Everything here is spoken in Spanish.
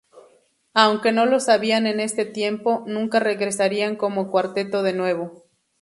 Aunque no lo sabían en ese tiempo, nunca regresarían como cuarteto de nuevo.